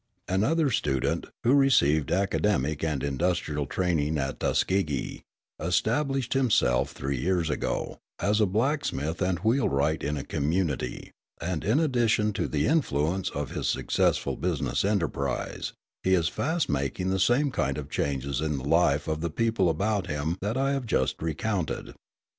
Another student, who received academic and industrial training at Tuskegee, established himself, three years ago, as a blacksmith and wheelwright in a community; and, in addition to the influence of his successful business enterprise, he is fast making the same kind of changes in the life of the people about him that I have just recounted.